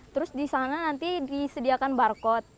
terus disana nanti disediakan barcode